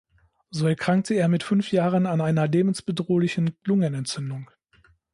So erkrankte er mit fünf Jahren an einer lebensbedrohlichen Lungenentzündung.